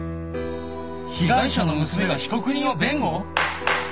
・「被害者の娘が被告人を弁護！？」